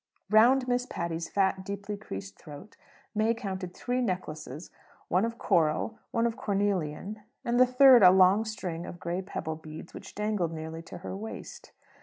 Round Miss Patty's fat, deeply creased throat, May counted three necklaces: One of coral, one of cornelian, and the third a long string of grey pebble beads which dangled nearly to her waist.